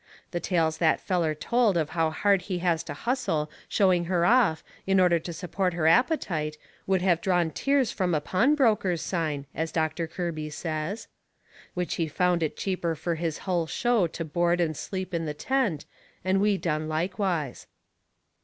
The tales that feller told of how hard he has to hustle showing her off in order to support her appetite would of drawed tears from a pawnbroker's sign, as Doctor Kirby says. Which he found it cheaper fur his hull show to board and sleep in the tent, and we done likewise.